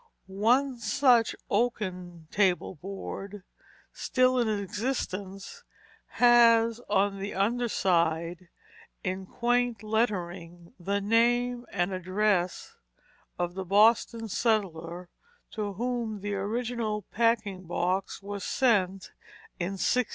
One such oaken table board, still in existence, has on the under side in quaint lettering the name and address of the Boston settler to whom the original packing box was sent in 1638.